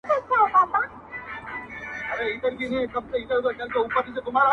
د آهنگر يو ټک ، دزرگر سل ټکه.